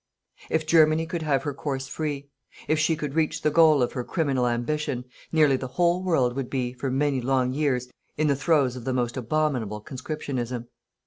If Germany could have her course free; if she could reach the goal of her criminal ambition, nearly the whole world would be, for many long years, in the throes of the most abominable conscriptionism.